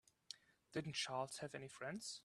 Didn't Charles have any friends?